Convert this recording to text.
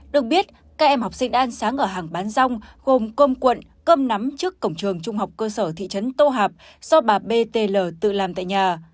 được biết các em học sinh đã ăn sáng ở hàng bán rong gồm cơm cuộn cơm nắm trước cổng trường trung học cơ sở thị trấn tô hạp do bà b t l tự làm tại nhà